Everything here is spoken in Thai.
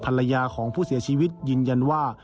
ภรรยาของผู้เสียชีวิตยืนยันว่า